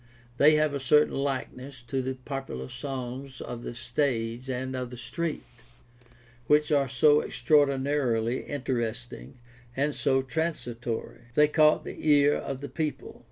They have a certain likeness to the popular songs of the stage and of the street, which are so extraordinarily interesting and so transitory. They caught the ear of the people.